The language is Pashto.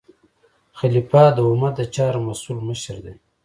خلیفه د امت د چارو مسؤل مشر دی.